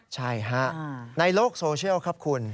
ใช่ฮะในโลกโซเชียลครับคุณ